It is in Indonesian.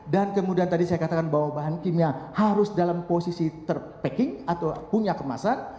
dan kemudian tadi saya katakan bahwa bahan kimia harus dalam posisi terpacking atau punya kemasan